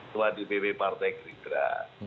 tua dpp partai gerindra